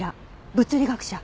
物理学者。